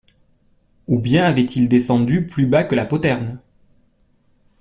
Ou bien avait-il descendu plus bas que la poterne ?